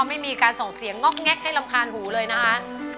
ไม่มีการส่งเสียงง็อกแงกให้รำคาญหูเลยนะคะ